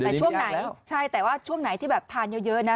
แต่ช่วงไหนใช่แต่ว่าช่วงไหนที่แบบทานเยอะนะ